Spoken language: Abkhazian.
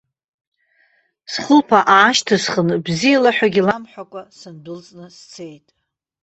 Схылԥа аашьҭысхын, бзиалаҳәагьы ламҳәакәа, сындәылҵны сцеит.